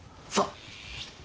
さあ。